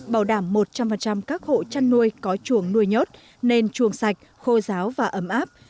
bảo đảm một trăm linh các hộ chăn nuôi có chuồng nuôi nhốt nên chuồng sạch khô giáo và ấm áp